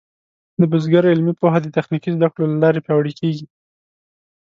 د بزګر علمي پوهه د تخنیکي زده کړو له لارې پیاوړې کېږي.